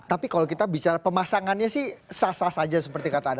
tapi kalau kita bicara pemasangannya sih sasa sasa aja seperti kata anda